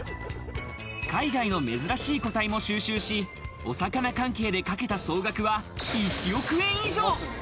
海外の珍しい個体も収集し、お魚関係でかけた総額は１億円以上。